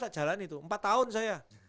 tak jalanin itu empat tahun saya